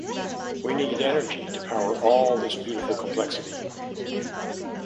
We need energy to power all this beautiful complexity.